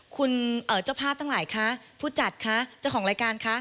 คุณเจ้าภาพตั้งหลายคะผู้จัดคะเจ้าของรายการคะ